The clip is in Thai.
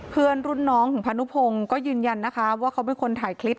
เพื่อนรุ่นน้องของพานุพงศ์ก็ยืนยันนะคะว่าเขาเป็นคนถ่ายคลิป